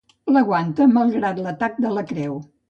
L'aguanta, malgrat l'atac de la creu.